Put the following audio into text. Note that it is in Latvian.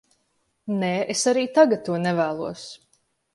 Nē, es arī tagad to nevēlos.